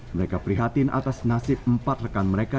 mereka prihatin atas nasib empat rekan mereka